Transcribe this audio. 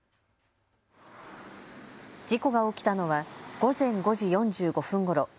事故が起きたのは午前５時４５分ごろ。